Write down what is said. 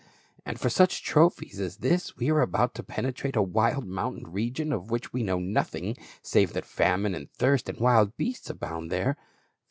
And for such trophies as this we are about to penetrate a wild mountain region of which we know nothing, save that famine and thirst and wild beasts abound there.